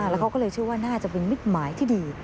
แล้วเขาก็เลยเชื่อว่าน่าจะเป็นมิตรหมายที่ดี